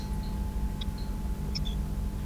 希腊历史学家普鲁塔克曾写下密码棒的用法。